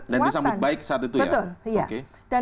dan itu sangat baik saat itu ya